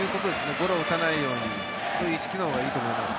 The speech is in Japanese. ゴロを打たないようにという意識がいいと思います。